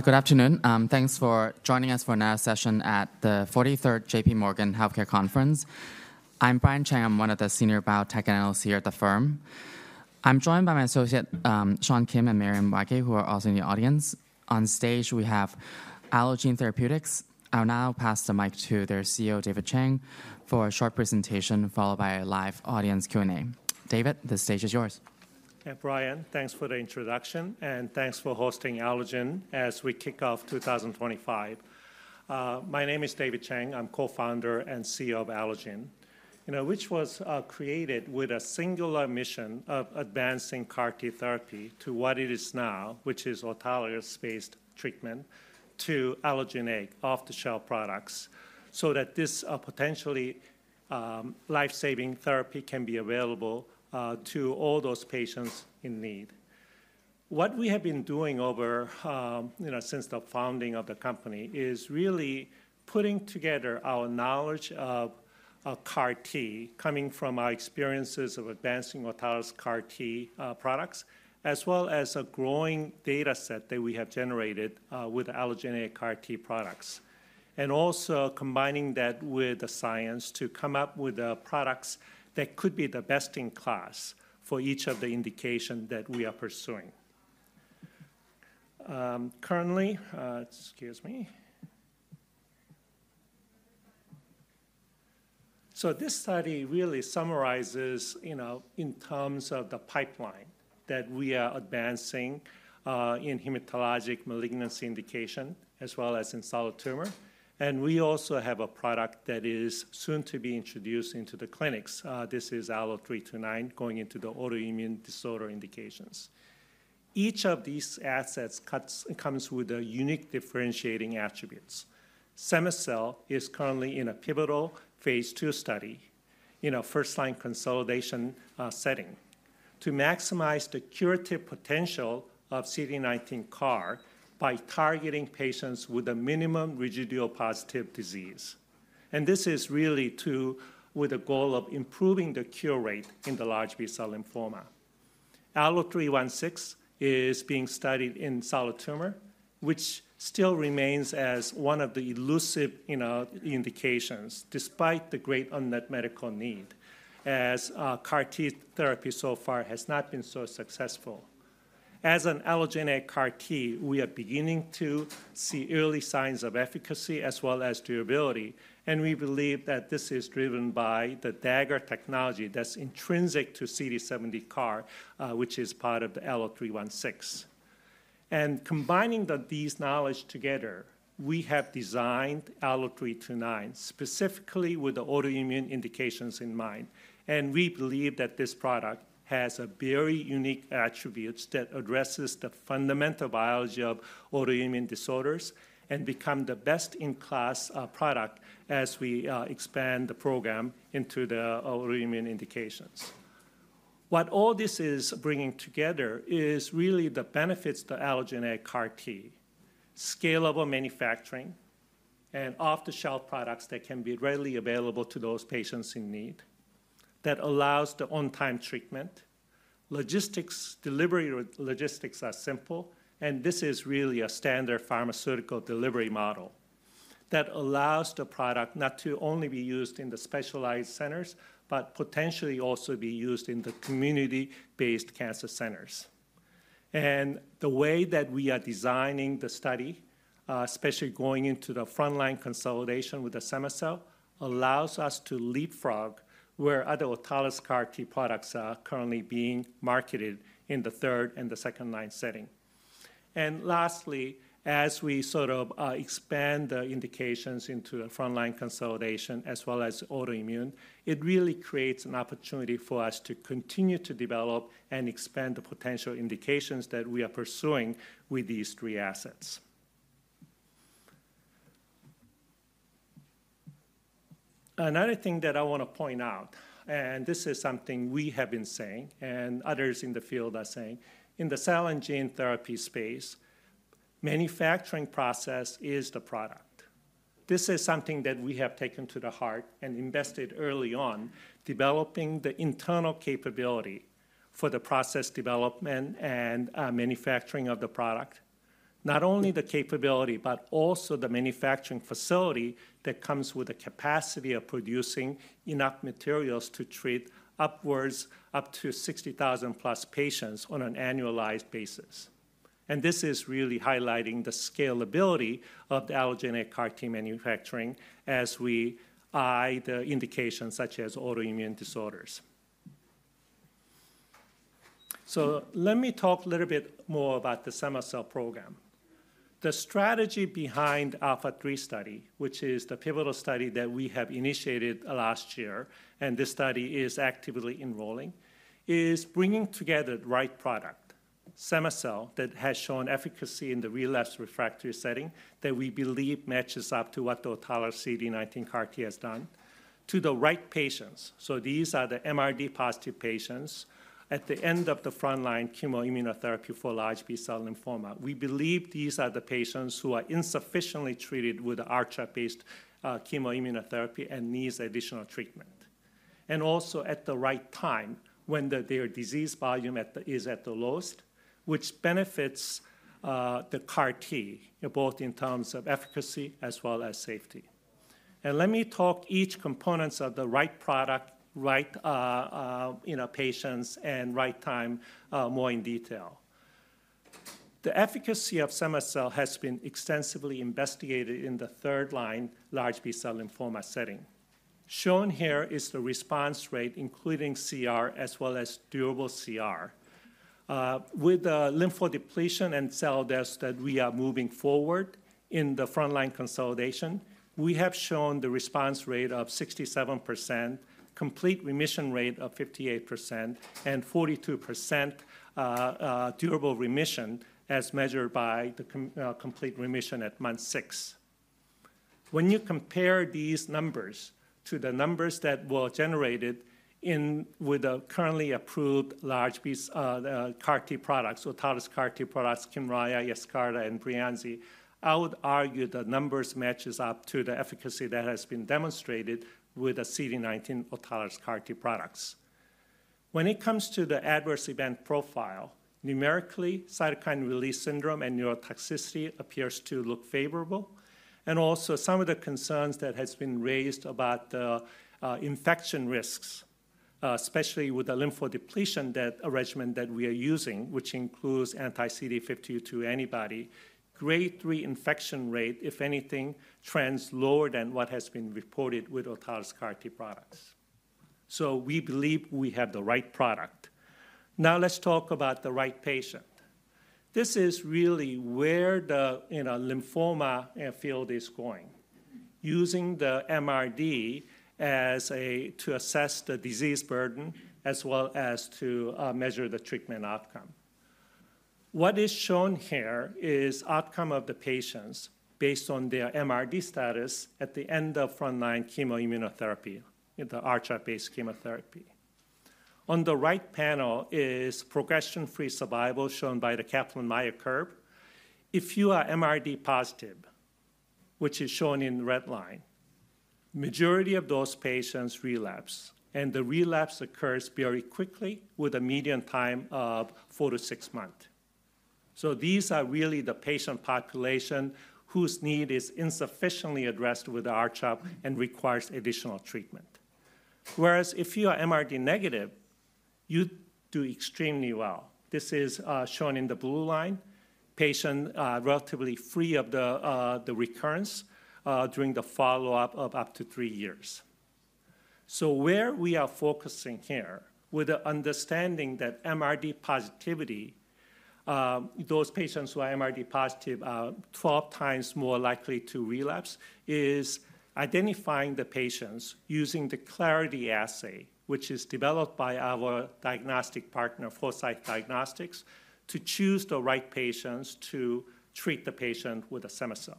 Good afternoon. Thanks for joining us for another session at the 43rd JPMorgan Healthcare Conference. I'm Brian Chang. I'm one of the senior biotech analysts here at the firm. I'm joined by my associate, Sean Kim, and Marianne Wacker, who are also in the audience. On stage, we have Allogene Therapeutics. I'll now pass the mic to their CEO, David Chang, for a short presentation, followed by a live audience Q&A. David, the stage is yours. Hey, Brian. Thanks for the introduction, and thanks for hosting Allogene as we kick off 2025. My name is David Chang. I'm Co-founder and CEO of Allogene, which was created with a singular mission of advancing CAR T therapy to what it is now, which is autologous-based treatment to allogeneic, off-the-shelf products, so that this potentially life-saving therapy can be available to all those patients in need. What we have been doing over since the founding of the company is really putting together our knowledge of CAR T, coming from our experiences of advancing autologous CAR T products, as well as a growing data set that we have generated with allogeneic CAR T products, and also combining that with the science to come up with products that could be the best in class for each of the indications that we are pursuing. Currently, excuse me. This study really summarizes in terms of the pipeline that we are advancing in hematologic malignancy indication, as well as in solid tumor. We also have a product that is soon to be introduced into the clinics. This is Allo-329, going into the autoimmune disorder indications. Each of these assets comes with unique differentiating attributes. Semacell is currently in a pivotal phase 2 study in a first-line consolidation setting to maximize the curative potential of CD19 CAR by targeting patients with a minimal residual positive disease. This is really with a goal of improving the cure rate in the large B-cell lymphoma. Allo-316 is being studied in solid tumor, which still remains as one of the elusive indications, despite the great unmet medical need, as CAR T therapy so far has not been so successful. As an allogeneic CAR T, we are beginning to see early signs of efficacy as well as durability. And we believe that this is driven by the Dagger technology that's intrinsic to CD70 CAR, which is part of the Allo-316. And combining these knowledge together, we have designed Allo-329 specifically with the autoimmune indications in mind. And we believe that this product has very unique attributes that address the fundamental biology of autoimmune disorders and becomes the best-in-class product as we expand the program into the autoimmune indications. What all this is bringing together is really the benefits to Allogene's CAR T, scalable manufacturing, and off-the-shelf products that can be readily available to those patients in need, that allows the on-time treatment, logistics, delivery logistics are simple, and this is really a standard pharmaceutical delivery model that allows the product not to only be used in the specialized centers, but potentially also be used in the community-based cancer centers, and the way that we are designing the study, especially going into the front-line consolidation with the Semacell, allows us to leapfrog where other autologous CAR T products are currently being marketed in the third- and second-line setting. And lastly, as we sort of expand the indications into the front-line consolidation as well as autoimmune, it really creates an opportunity for us to continue to develop and expand the potential indications that we are pursuing with these three assets. Another thing that I want to point out, and this is something we have been saying and others in the field are saying, in the cell and gene therapy space, manufacturing process is the product. This is something that we have taken to the heart and invested early on, developing the internal capability for the process development and manufacturing of the product, not only the capability, but also the manufacturing facility that comes with the capacity of producing enough materials to treat upwards of up to 60,000 plus patients on an annualized basis. This is really highlighting the scalability of the Allogene's CAR T manufacturing as we eye the indications such as autoimmune disorders. Let me talk a little bit more about the Semacell program. The strategy behind Alpha3 study, which is the pivotal study that we have initiated last year, and this study is actively enrolling, is bringing together the right product, Semacell, that has shown efficacy in the relapse refractory setting that we believe matches up to what the autologous CD19 CAR T has done to the right patients. These are the MRD positive patients at the end of the front-line chemoimmunotherapy for large B-cell lymphoma. We believe these are the patients who are insufficiently treated with the R-CHOP-based chemoimmunotherapy and need additional treatment, and also at the right time when their disease volume is at the lowest, which benefits the CAR T both in terms of efficacy as well as safety. And let me talk each component of the right product, right patients, and right time more in detail. The efficacy of Semacell has been extensively investigated in the third-line large B-cell lymphoma setting. Shown here is the response rate, including CR, as well as durable CR. With the lymphodepletion and cell dose that we are moving forward in the front-line consolidation, we have shown the response rate of 67%, complete remission rate of 58%, and 42% durable remission as measured by the complete remission at month six. When you compare these numbers to the numbers that were generated with the currently approved large B-cell CAR T products, autologous CAR T products, Kymriah, Yescarta, and Breyanzi, I would argue the numbers match up to the efficacy that has been demonstrated with the CD19 autologous CAR T products. When it comes to the adverse event profile, numerically, cytokine release syndrome and neurotoxicity appears to look favorable, and also, some of the concerns that have been raised about the infection risks, especially with the lymphodepletion regimen that we are using, which includes anti-CD52 antibody, grade 3 infection rate, if anything, trends lower than what has been reported with autologous CAR T products, so we believe we have the right product. Now, let's talk about the right patient. This is really where the lymphoma field is going, using the MRD to assess the disease burden as well as to measure the treatment outcome. What is shown here is the outcome of the patients based on their MRD status at the end of front-line chemoimmunotherapy, the R-CHOP-based chemotherapy. On the right panel is progression-free survival shown by the Kaplan-Meier curve. If you are MRD positive, which is shown in the red line, the majority of those patients relapse, and the relapse occurs very quickly with a median time of four to six months. So these are really the patient population whose need is insufficiently addressed with R-CHOP and requires additional treatment. Whereas if you are MRD negative, you do extremely well. This is shown in the blue line, patients relatively free of the recurrence during the follow-up of up to three years. So, where we are focusing here with the understanding that MRD positivity, those patients who are MRD positive are 12 times more likely to relapse, is identifying the patients using the CLARITY assay, which is developed by our diagnostic partner, Foresight Diagnostics, to choose the right patients to treat the patient with a Semacell.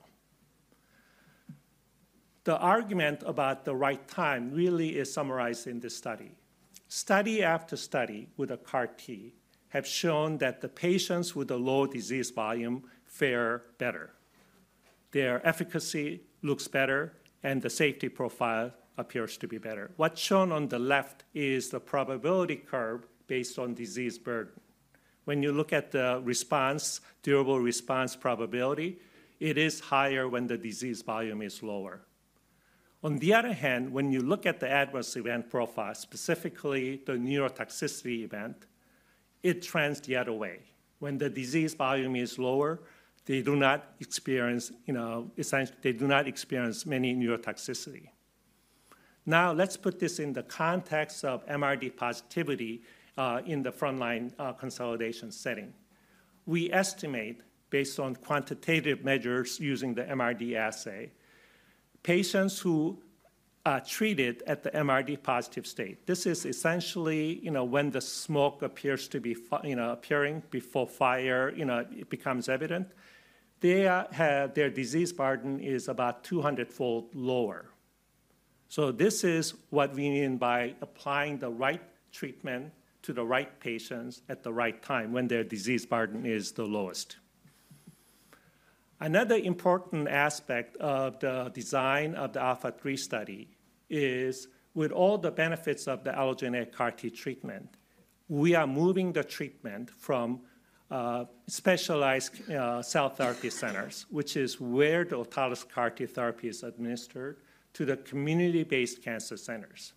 The argument about the right time really is summarized in this study. Study after study with a CAR T has shown that the patients with a low disease volume fare better. Their efficacy looks better, and the safety profile appears to be better. What's shown on the left is the probability curve based on disease burden. When you look at the response, durable response probability, it is higher when the disease volume is lower. On the other hand, when you look at the adverse event profile, specifically the neurotoxicity event, it trends the other way. When the disease volume is lower, they do not experience many neurotoxicity. Now, let's put this in the context of MRD positivity in the front-line consolidation setting. We estimate, based on quantitative measures using the MRD assay, patients who are treated at the MRD positive state, this is essentially when the smoke appears to be appearing before fire, it becomes evident, their disease burden is about 200-fold lower. So this is what we mean by applying the right treatment to the right patients at the right time when their disease burden is the lowest. Another important aspect of the design of the ALPHA3 study is, with all the benefits of the Allogene's CAR T treatment, we are moving the treatment from specialized cell therapy centers, which is where the autologous CAR T therapy is administered, to the community-based cancer centers.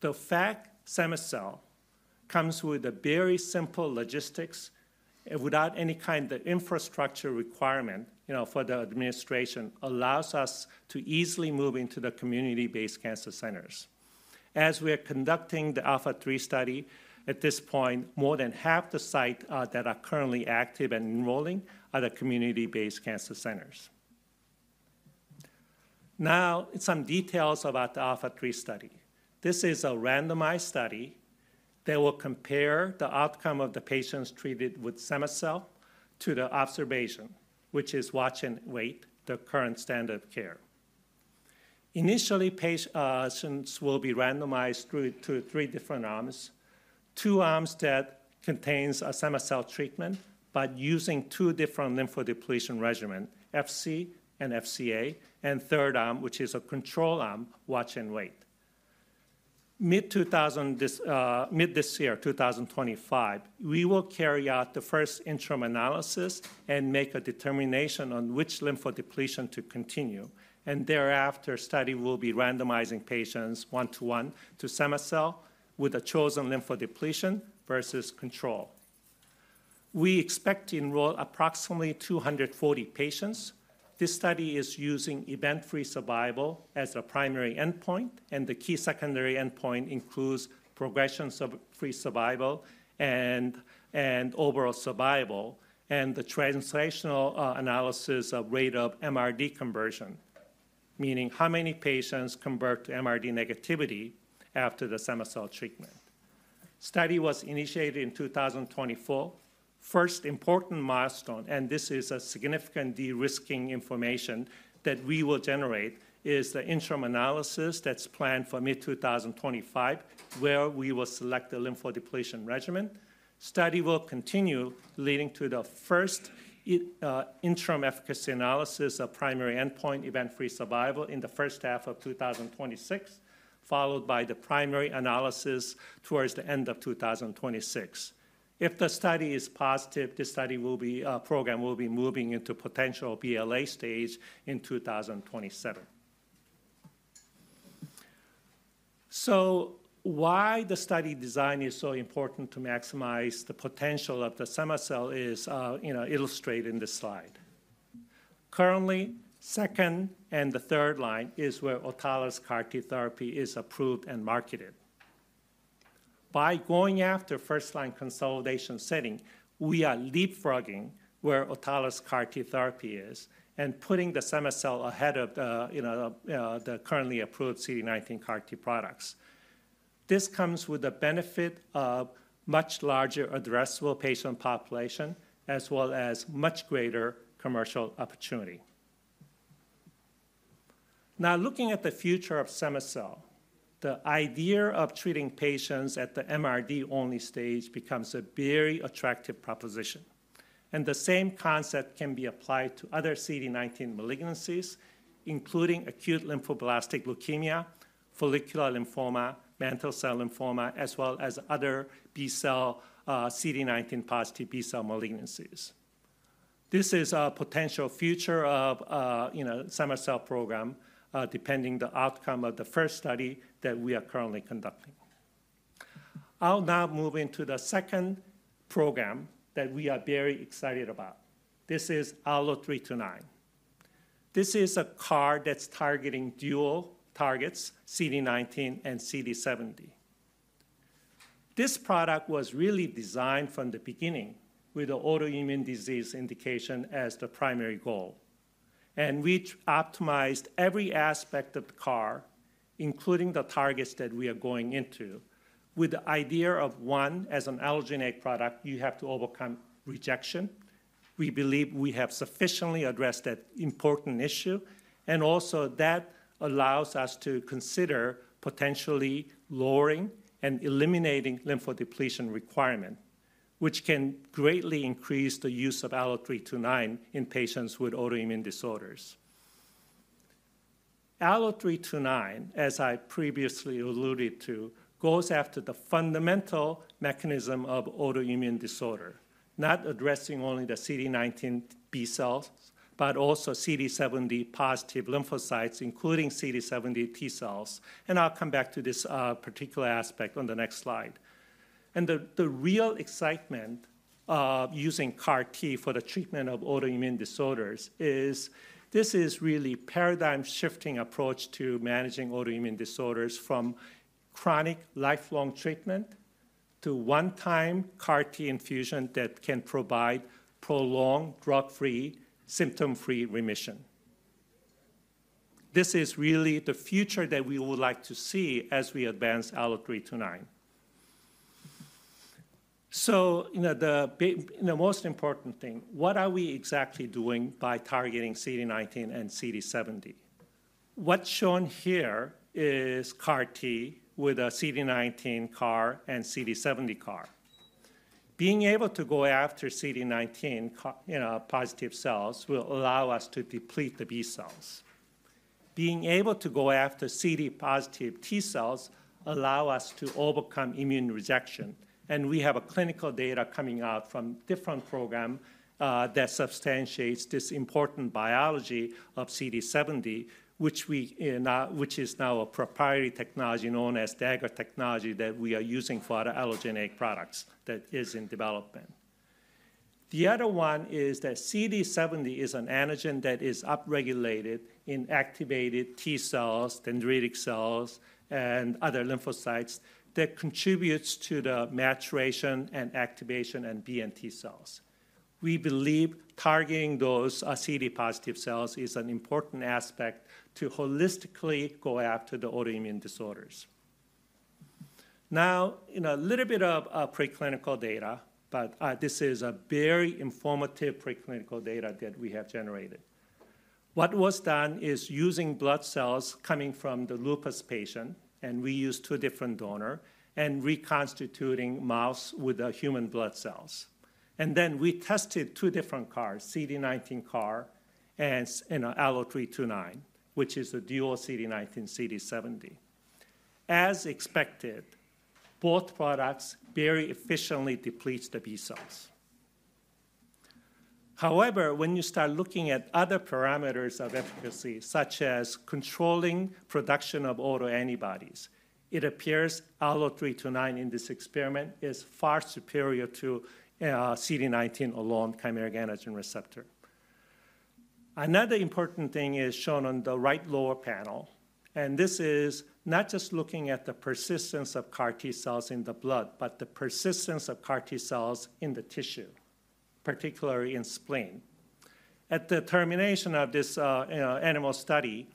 The fact Semacell comes with very simple logistics and without any kind of infrastructure requirement for the administration allows us to easily move into the community-based cancer centers. As we are conducting the ALPHA3 study, at this point, more than half the sites that are currently active and enrolling are the community-based cancer centers. Now, some details about the ALPHA3 study. This is a randomized study that will compare the outcome of the patients treated with Semacell to the observation, which is watch and wait, the current standard of care. Initially, patients will be randomized through three different arms, two arms that contain a Semacell treatment, but using two different lymphodepletion regimens, FC and FCA, and a third arm, which is a control arm, watch and wait. Mid this year, 2025, we will carry out the first interim analysis and make a determination on which lymphodepletion to continue. And thereafter, the study will be randomizing patients one-to-one to Semacell with a chosen lymphodepletion versus control. We expect to enroll approximately 240 patients. This study is using event-free survival as the primary endpoint, and the key secondary endpoint includes progression-free survival, overall survival, and the translational analysis of rate of MRD conversion, meaning how many patients convert to MRD negativity after the Semacell treatment. The study was initiated in 2024. The first important milestone, and this is a significant de-risking information that we will generate, is the interim analysis that's planned for mid-2025, where we will select a lymphodepletion regimen. The study will continue leading to the first interim efficacy analysis of primary endpoint event-free survival in the first half of 2026, followed by the primary analysis towards the end of 2026. If the study is positive, the study program will be moving into potential BLA stage in 2027. So why the study design is so important to maximize the potential of the Semacell is illustrated in this slide. Currently, the second- and third-line is where autologous CAR T therapy is approved and marketed. By going after first-line consolidation setting, we are leapfrogging where autologous CAR T therapy is and putting the Semacell ahead of the currently approved CD19 CAR T products. This comes with the benefit of a much larger addressable patient population as well as much greater commercial opportunity. Now, looking at the future of Semacell, the idea of treating patients at the MRD-only stage becomes a very attractive proposition. And the same concept can be applied to other CD19 malignancies, including acute lymphoblastic leukemia, follicular lymphoma, mantle cell lymphoma, as well as other CD19-positive B-cell malignancies. This is a potential future of the Semacell program, depending on the outcome of the first study that we are currently conducting. I'll now move into the second program that we are very excited about. This is Allo-329. This is a CAR that's targeting dual targets, CD19 and CD70. This product was really designed from the beginning with the autoimmune disease indication as the primary goal, and we optimized every aspect of the CAR, including the targets that we are going into, with the idea of one as an allogeneic product, you have to overcome rejection. We believe we have sufficiently addressed that important issue, and also that allows us to consider potentially lowering and eliminating lymphodepletion requirement, which can greatly increase the use of Allo-329 in patients with autoimmune disorders. Allo-329, as I previously alluded to, goes after the fundamental mechanism of autoimmune disorder, not addressing only the CD19 B-cells, but also CD70 positive lymphocytes, including CD70 T-cells. And I'll come back to this particular aspect on the next slide. And the real excitement of using CAR T for the treatment of autoimmune disorders is this is really a paradigm-shifting approach to managing autoimmune disorders from chronic lifelong treatment to one-time CAR T infusion that can provide prolonged drug-free, symptom-free remission. This is really the future that we would like to see as we advance Allo-329. So the most important thing, what are we exactly doing by targeting CD19 and CD70? What's shown here is CAR T with a CD19 CAR and CD70 CAR. Being able to go after CD19 positive cells will allow us to deplete the B-cells. Being able to go after CD70-positive T-cells allows us to overcome immune rejection, and we have clinical data coming out from different programs that substantiate this important biology of CD70, which is now a proprietary technology known as Dagger technology that we are using for Allogene's products that is in development. The other one is that CD70 is an antigen that is upregulated in activated T-cells, dendritic cells, and other lymphocytes that contribute to the maturation and activation of B and T-cells. We believe targeting those CD70-positive cells is an important aspect to holistically go after the autoimmune disorders. Now, a little bit of preclinical data, but this is very informative preclinical data that we have generated. What was done is using blood cells coming from the lupus patient, and we used two different donors and reconstituting mouse with human blood cells. And then we tested two different CARs, CD19 CAR and Allo-329, which is a dual CD19, CD70. As expected, both products very efficiently deplete the B cells. However, when you start looking at other parameters of efficacy, such as controlling production of autoantibodies, it appears Allo-329 in this experiment is far superior to CD19 alone, chimeric antigen receptor. Another important thing is shown on the right lower panel, and this is not just looking at the persistence of CAR T cells in the blood, but the persistence of CAR T cells in the tissue, particularly in spleen. At the termination of this animal study,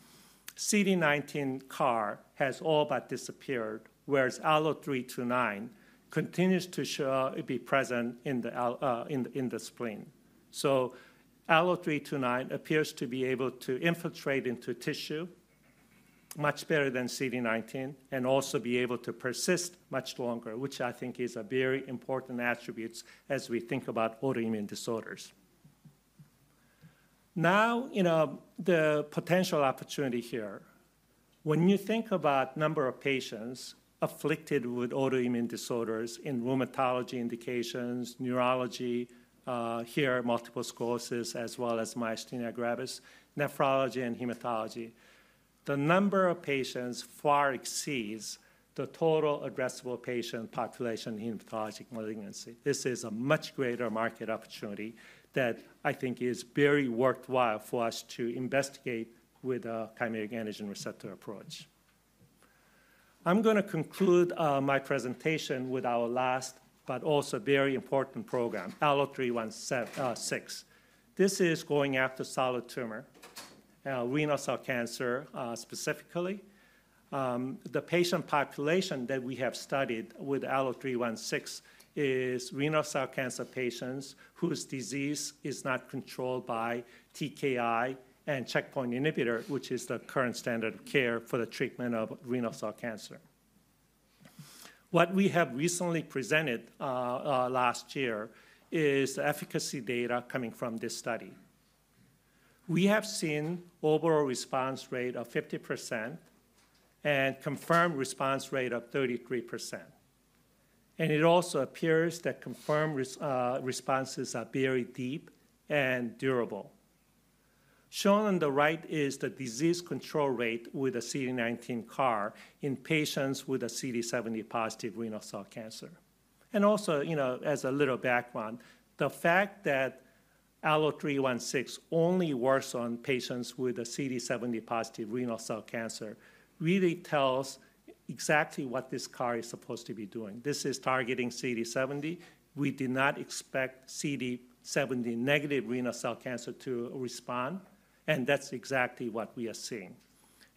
CD19 CAR has all but disappeared, whereas Allo-329 continues to be present in the spleen. So Allo329 appears to be able to infiltrate into tissue much better than CD19 and also be able to persist much longer, which I think is a very important attribute as we think about autoimmune disorders. Now, the potential opportunity here. When you think about the number of patients afflicted with autoimmune disorders in rheumatology indications, neurology, here multiple sclerosis, as well as myasthenia gravis, nephrology, and hematology, the number of patients far exceeds the total addressable patient population in hematologic malignancy. This is a much greater market opportunity that I think is very worthwhile for us to investigate with a chimeric antigen receptor approach. I'm going to conclude my presentation with our last, but also very important program, Allo316. This is going after solid tumor, renal cell cancer specifically. The patient population that we have studied with Allo-316 is renal cell cancer patients whose disease is not controlled by TKI and checkpoint inhibitor, which is the current standard of care for the treatment of renal cell cancer. What we have recently presented last year is the efficacy data coming from this study. We have seen an overall response rate of 50% and a confirmed response rate of 33%. It also appears that confirmed responses are very deep and durable. Shown on the right is the disease control rate with a CD19 CAR in patients with CD70 positive renal cell cancer. Also, as a little background, the fact that Allo-316 only works on patients with CD70 positive renal cell cancer really tells exactly what this CAR is supposed to be doing. This is targeting CD70. We did not expect CD70 negative renal cell cancer to respond, and that's exactly what we are seeing.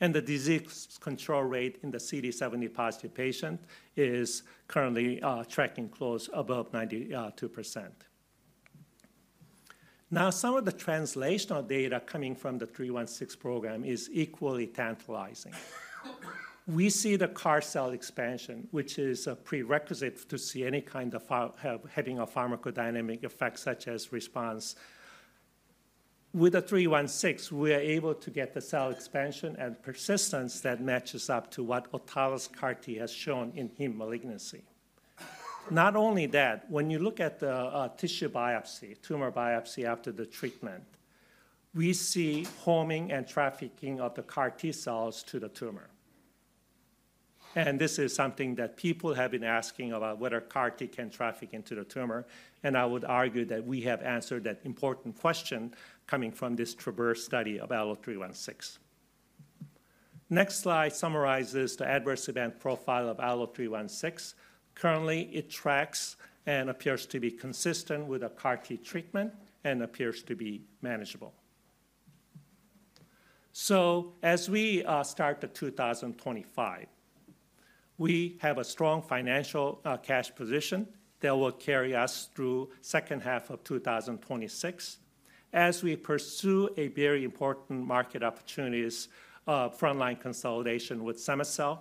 And the disease control rate in the CD70 positive patient is currently tracking close above 92%. Now, some of the translational data coming from the 316 program is equally tantalizing. We see the CAR cell expansion, which is a prerequisite to see any kind of having a pharmacodynamic effect such as response. With the 316, we are able to get the cell expansion and persistence that matches up to what autologous CAR T has shown in heme malignancy. Not only that, when you look at the tissue biopsy, tumor biopsy after the treatment, we see homing and trafficking of the CAR T cells to the tumor. And this is something that people have been asking about, whether CAR T can traffic into the tumor. I would argue that we have answered that important question coming from this TRAVERSE study of Allo-316. Next slide summarizes the adverse event profile of Allo-316. Currently, it tracks and appears to be consistent with the CAR T treatment and appears to be manageable. As we start 2025, we have a strong financial cash position that will carry us through the second half of 2026 as we pursue very important market opportunities, frontline consolidation with Semacell,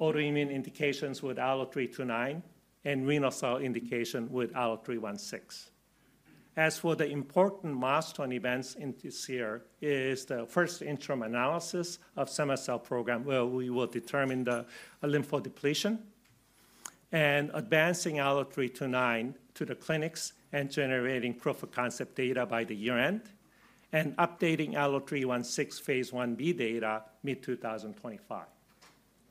autoimmune indications with Allo-329, and renal cell indication with Allo-316. As for the important milestone events this year, it is the first interim analysis of the Semacell program where we will determine the lymphodepletion and advancing Allo-329 to the clinic and generating proof of concept data by the year end and updating Allo-316 phase 1B data mid-2025.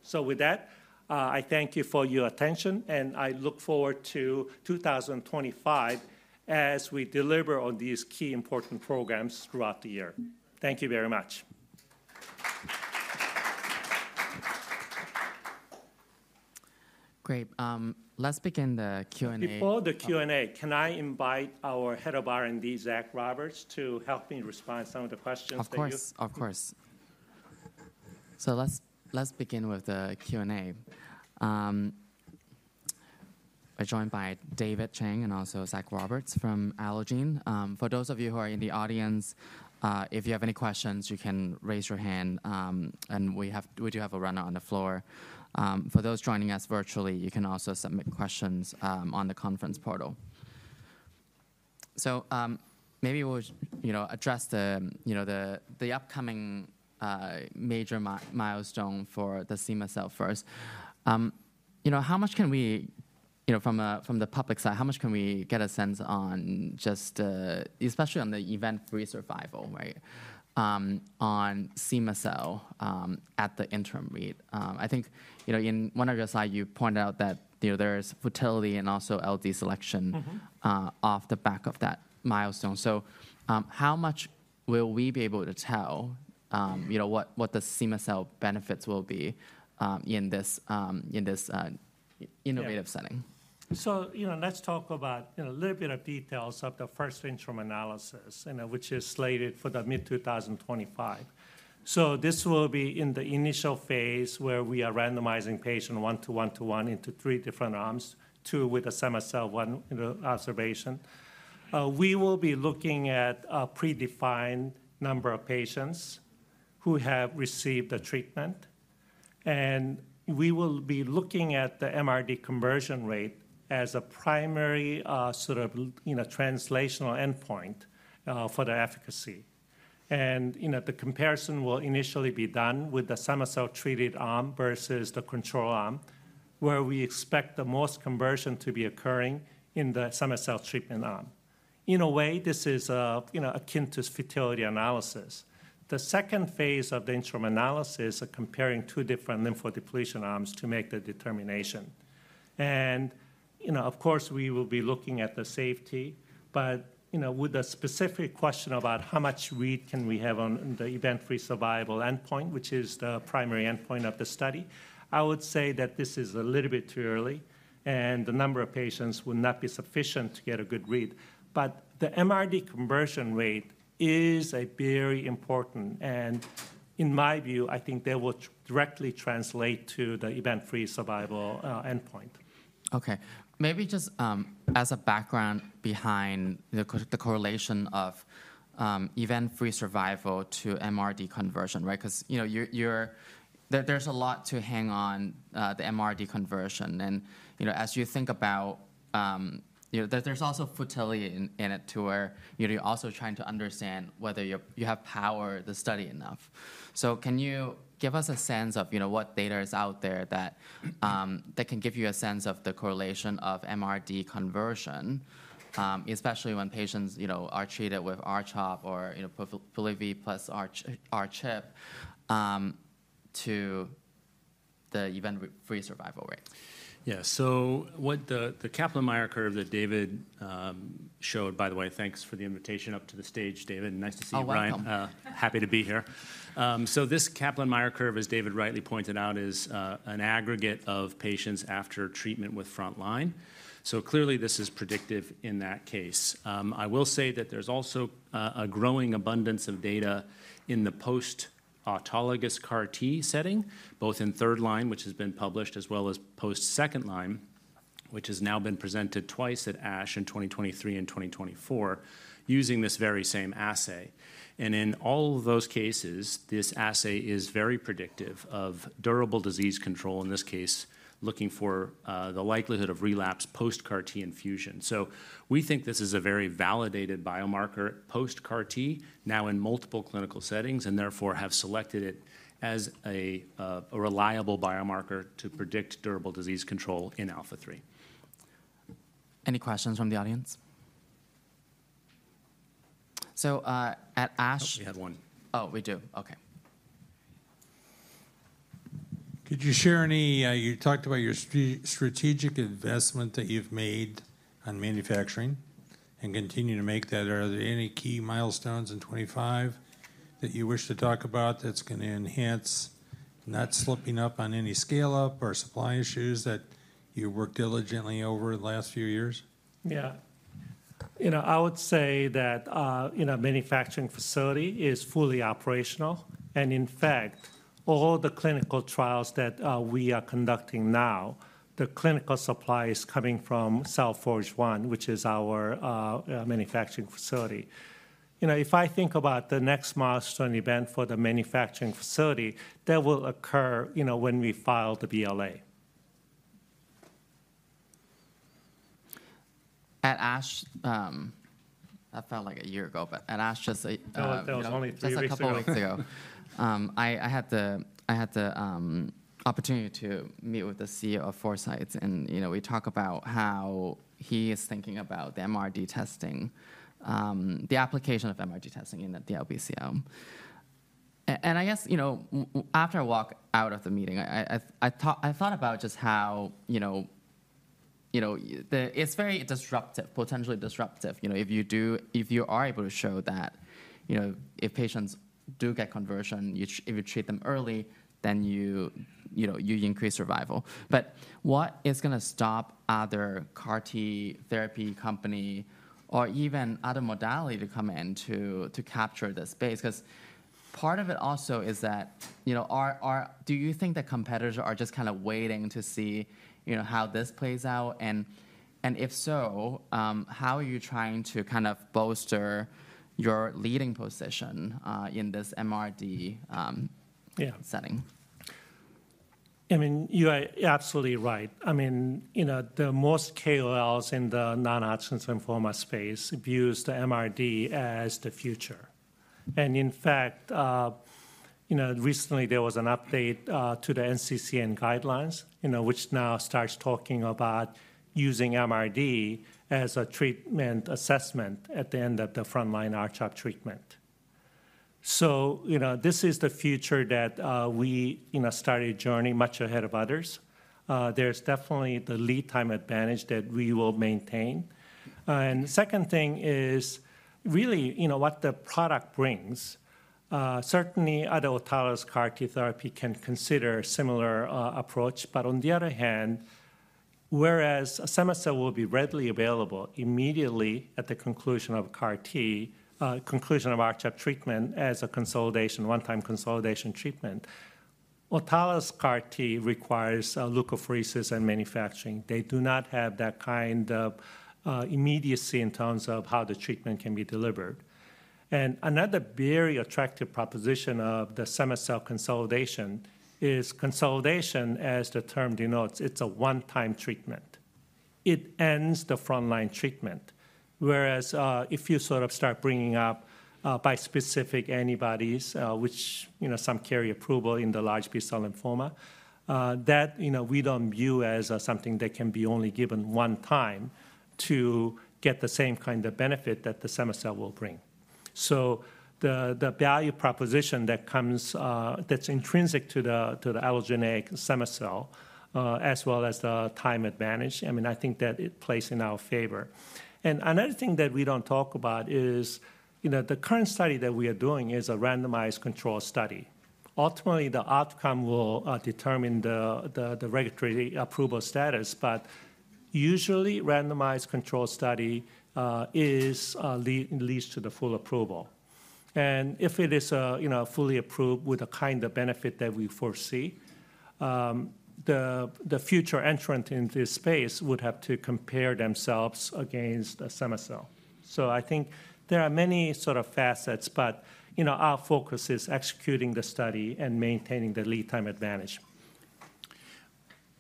So with that, I thank you for your attention, and I look forward to 2025 as we deliver on these key important programs throughout the year. Thank you very much. Great. Let's begin the Q&A. Before the Q&A, can I invite our head of R&D, Zach Roberts, to help me respond to some of the questions that you? Of course. Of course. So let's begin with the Q&A. I'm joined by David Chang and also Zach Roberts from Allogene. For those of you who are in the audience, if you have any questions, you can raise your hand, and we do have a runner on the floor. For those joining us virtually, you can also submit questions on the conference portal. So maybe we'll address the upcoming major milestone for the Semacell first. How much can we, from the public side, how much can we get a sense on just, especially on the event-free survival, right, on Semacell at the interim readout? I think in one of your slides, you pointed out that there is futility and also LD selection off the back of that milestone. So how much will we be able to tell what the Semacell benefits will be in this frontline setting? So let's talk about a little bit of details of the first interim analysis, which is slated for mid-2025. So this will be in the initial phase where we are randomizing patients one to one to one into three different arms, two with a cema-cel, one with observation. We will be looking at a predefined number of patients who have received the treatment. And we will be looking at the MRD conversion rate as a primary sort of translational endpoint for the efficacy. And the comparison will initially be done with the cema-cel treated arm versus the control arm, where we expect the most conversion to be occurring in the cema-cel treatment arm. In a way, this is akin to futility analysis. The second phase of the interim analysis is comparing two different lymphodepletion arms to make the determination. And of course, we will be looking at the safety, but with a specific question about how much read can we have on the event-free survival endpoint, which is the primary endpoint of the study. I would say that this is a little bit too early, and the number of patients would not be sufficient to get a good read. But the MRD conversion rate is very important, and in my view, I think that will directly translate to the event-free survival endpoint. Okay. Maybe just as a background behind the correlation of event-free survival to MRD conversion, right? Because there's a lot to hang on the MRD conversion, and as you think about, there's also variability in it too, where you're also trying to understand whether you have powered the study enough, so can you give us a sense of what data is out there that can give you a sense of the correlation of MRD conversion, especially when patients are treated with R-CHOP or Polivy plus R-CHP to the event-free survival rate? Yeah. So the Kaplan-Meier curve that David showed, by the way, thanks for the invitation up to the stage, David. Nice to see you, Brian. Oh, welcome. Happy to be here. This Kaplan-Meier curve, as David rightly pointed out, is an aggregate of patients after treatment with frontline. Clearly, this is predictive in that case. I will say that there's also a growing abundance of data in the post-autologous CAR T setting, both in third line, which has been published, as well as post-second line, which has now been presented twice at ASH in 2023 and 2024, using this very same assay. In all of those cases, this assay is very predictive of durable disease control, in this case, looking for the likelihood of relapse post-CAR T infusion. We think this is a very validated biomarker post-CAR T, now in multiple clinical settings, and therefore have selected it as a reliable biomarker to predict durable disease control in ALPHA3. Any questions from the audience? So at ASH. We had one. Oh, we do. Okay. Could you share any, you talked about your strategic investment that you've made on manufacturing and continue to make that. Are there any key milestones in 2025 that you wish to talk about that's going to enhance not slipping up on any scale-up or supply issues that you worked diligently over the last few years? Yeah. I would say that manufacturing facility is fully operational, and in fact, all the clinical trials that we are conducting now, the clinical supply is coming from Cell Forge 1, which is our manufacturing facility. If I think about the next milestone event for the manufacturing facility, that will occur when we file the BLA. At ASH, that felt like a year ago, but at ASH just. Oh, that was only three weeks ago. That's a couple of weeks ago. I had the opportunity to meet with the CEO of Foresight, and we talked about how he is thinking about the MRD testing, the application of MRD testing in the LBCL. And I guess after I walked out of the meeting, I thought about just how it's very disruptive, potentially disruptive. If you are able to show that if patients do get conversion, if you treat them early, then you increase survival. But what is going to stop other CAR T therapy companies or even other modalities to come in to capture this space? Because part of it also is that, do you think that competitors are just kind of waiting to see how this plays out? And if so, how are you trying to kind of bolster your leading position in this MRD setting? I mean, you are absolutely right. I mean, the most KOLs in the non-adjuvant pharma space view the MRD as the future. And in fact, recently, there was an update to the NCCN guidelines, which now starts talking about using MRD as a treatment assessment at the end of the frontline R-CHOP treatment. So this is the future that we started journeying much ahead of others. There's definitely the lead time advantage that we will maintain. And the second thing is really what the product brings. Certainly, other autologous CAR T therapy can consider a similar approach. But on the other hand, whereas Semacell will be readily available immediately at the conclusion of R-CHOP treatment as a consolidation, one-time consolidation treatment, autologous CAR T requires leukapheresis and manufacturing. They do not have that kind of immediacy in terms of how the treatment can be delivered. Another very attractive proposition of the Semacell consolidation is consolidation, as the term denotes. It's a one-time treatment. It ends the frontline treatment, whereas if you sort of start bringing up bispecific antibodies, which some carry approval in the large B-cell lymphoma, that we don't view as something that can be only given one time to get the same kind of benefit that the Semacell will bring. The value proposition that comes, that's intrinsic to the allogeneic Semacell, as well as the time advantage, I mean, I think that it plays in our favor. Another thing that we don't talk about is the current study that we are doing is a randomized control study. Ultimately, the outcome will determine the regulatory approval status, but usually, randomized control study leads to the full approval. If it is fully approved with the kind of benefit that we foresee, the future entrant in this space would have to compare themselves against Semacell. I think there are many sort of facets, but our focus is executing the study and maintaining the lead time advantage.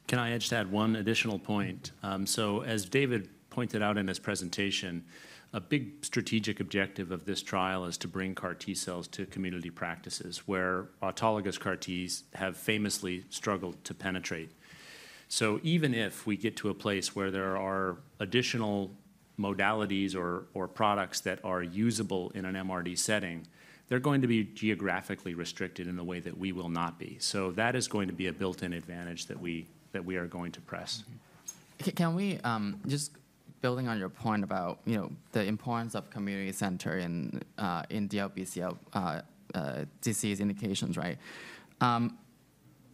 Can I just add one additional point? So as David pointed out in his presentation, a big strategic objective of this trial is to bring CAR T cells to community practices where autologous CAR Ts have famously struggled to penetrate. So even if we get to a place where there are additional modalities or products that are usable in an MRD setting, they're going to be geographically restricted in the way that we will not be. So that is going to be a built-in advantage that we are going to press. Can we just, building on your point about the importance of community center in the LBCL disease indications, right?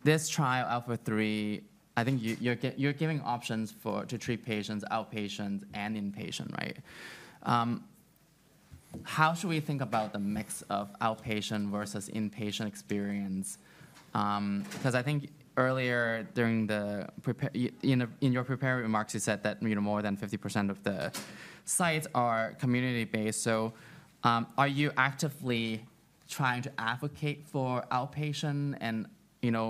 This trial, ALPHA3, I think you're giving options to treat patients, outpatient and inpatient, right? How should we think about the mix of outpatient versus inpatient experience? Because I think earlier during the, in your preparatory remarks, you said that more than 50% of the sites are community-based. So are you actively trying to advocate for outpatient and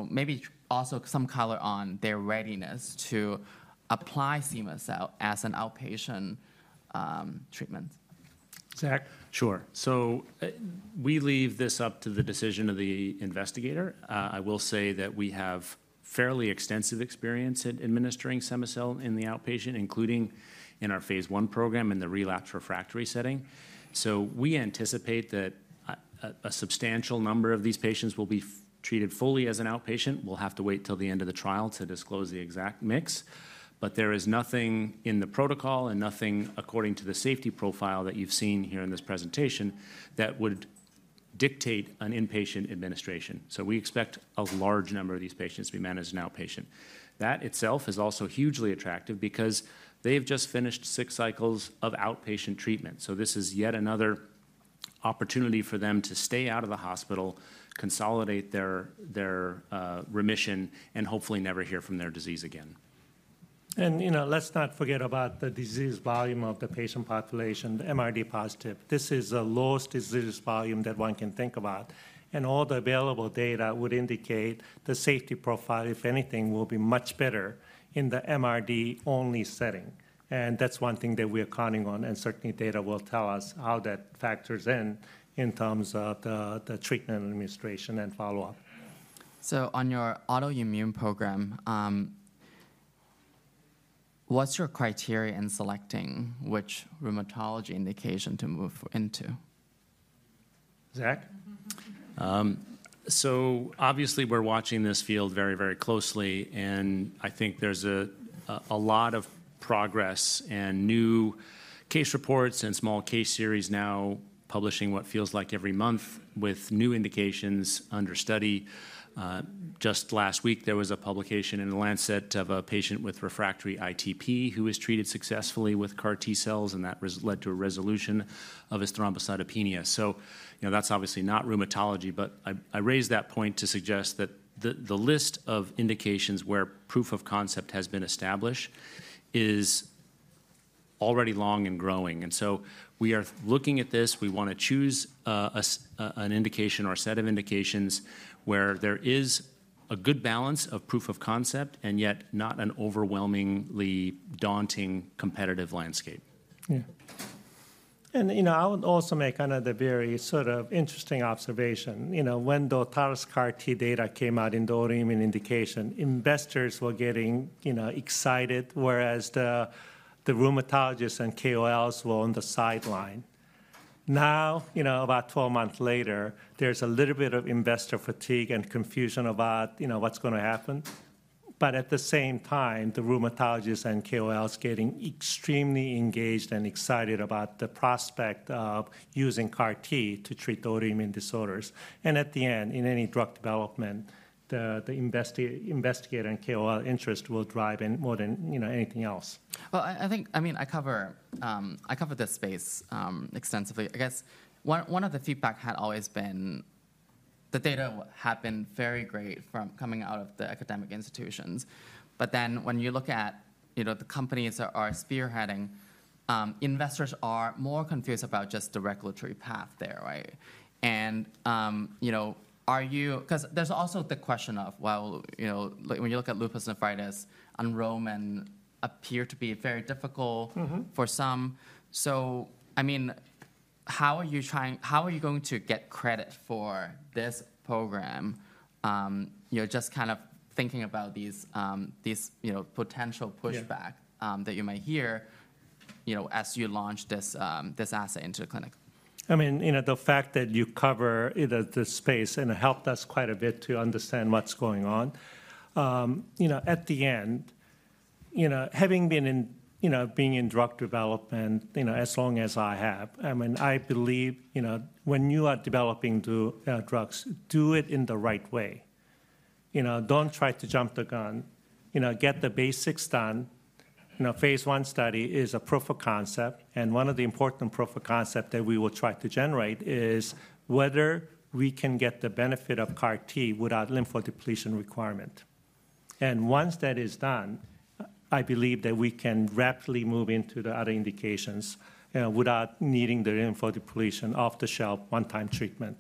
maybe also some color on their readiness to apply Semacell as an outpatient treatment? Zach? Sure. So we leave this up to the decision of the investigator. I will say that we have fairly extensive experience in administering Semacell in the outpatient, including in our phase one program in the relapsed refractory setting. So we anticipate that a substantial number of these patients will be treated fully as an outpatient. We'll have to wait until the end of the trial to disclose the exact mix. But there is nothing in the protocol and nothing according to the safety profile that you've seen here in this presentation that would dictate an inpatient administration. So we expect a large number of these patients to be managed in outpatient. That itself is also hugely attractive because they have just finished six cycles of outpatient treatment. So this is yet another opportunity for them to stay out of the hospital, consolidate their remission, and hopefully never hear from their disease again. Let's not forget about the disease volume of the patient population, the MRD positive. This is the lowest disease volume that one can think about. All the available data would indicate the safety profile, if anything, will be much better in the MRD-only setting. That's one thing that we are counting on. Certainly, data will tell us how that factors in terms of the treatment administration and follow-up. So on your autoimmune program, what's your criteria in selecting which rheumatology indication to move into? Zach, so obviously, we're watching this field very, very closely, and I think there's a lot of progress and new case reports and small case series now publishing what feels like every month with new indications under study. Just last week, there was a publication in The Lancet of a patient with refractory ITP who was treated successfully with CAR T cells, and that led to a resolution of his thrombocytopenia, so that's obviously not rheumatology, but I raise that point to suggest that the list of indications where proof of concept has been established is already long and growing, and so we are looking at this. We want to choose an indication or a set of indications where there is a good balance of proof of concept and yet not an overwhelmingly daunting competitive landscape. Yeah. And I would also make kind of the very sort of interesting observation. When the autologous CAR T data came out in the autoimmune indication, investors were getting excited, whereas the rheumatologists and KOLs were on the sideline. Now, about 12 months later, there's a little bit of investor fatigue and confusion about what's going to happen. But at the same time, the rheumatologists and KOLs are getting extremely engaged and excited about the prospect of using CAR T to treat autoimmune disorders. And at the end, in any drug development, the investigator and KOL interest will drive in more than anything else. I think, I mean, I cover this space extensively. I guess one of the feedback had always been the data have been very great from coming out of the academic institutions. But then when you look at the companies that are spearheading, investors are more confused about just the regulatory path there, right? And are you, because there's also the question of, well, when you look at lupus nephritis, and it may appear to be very difficult for some. So I mean, how are you trying, how are you going to get credit for this program? Just kind of thinking about these potential pushback that you might hear as you launch this asset into the clinic. I mean, the fact that you cover the space and helped us quite a bit to understand what's going on. In the end, having been in drug development as long as I have, I believe when you are developing drugs, do it in the right way. Don't try to jump the gun. Get the basics done. Phase one study is a proof of concept, and one of the important proof of concept that we will try to generate is whether we can get the benefit of CAR T without lymphodepletion requirement, and once that is done, I believe that we can rapidly move into the other indications without needing the lymphodepletion off the shelf one-time treatment.